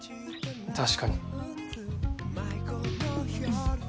確かに。